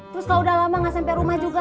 terus kalo udah lama gak sampe rumah juga